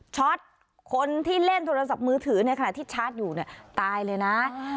คนที่เล่นโทรศัพท์มือถือในขณะที่ชาร์จอยู่เนี่ยตายเลยนะ